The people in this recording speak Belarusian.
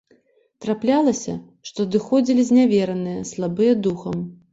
Траплялася, што адыходзілі, знявераныя, слабыя духам.